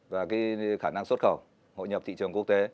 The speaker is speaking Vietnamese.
và khả năng xuất khẩu hội nhập thị trường quốc tế